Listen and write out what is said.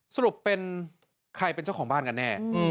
สรุปเป็นใครเป็นเจ้าของบ้านกันแน่